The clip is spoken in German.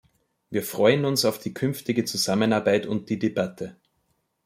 Wir freuen uns auf die künftige Zusammenarbeit und die Debatte.